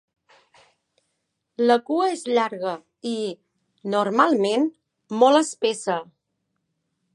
La cua és llarga i, normalment, molt espessa.